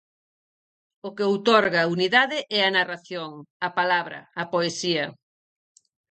O que outorga unidade é a narración, a palabra, a poesía.